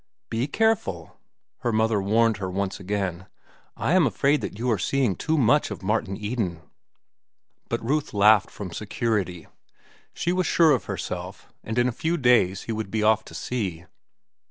"Be careful," her mother warned her once again. "I am afraid you are seeing too much of Martin Eden." But Ruth laughed from security. She was sure of herself, and in a few days he would be off to sea.